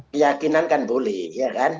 keyakinan kan boleh ya kan